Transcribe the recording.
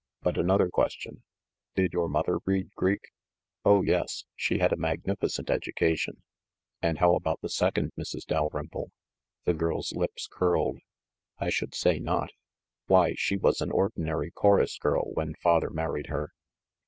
But another question: Did your mother read Greek?" "Oh, yes, she had a magnificent education." "And how about the second Mrs. Dalrymple?" The girl's lips curled. "I should say not! Why, she was an ordinary chorus girl when father married her!"